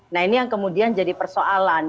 nah ini yang kemudian jadi persoalan